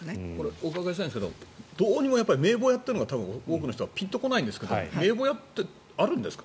お伺いしたいんですがどうにも名簿屋というのが多くの人はピンとこないんですが名簿屋ってあるんですか？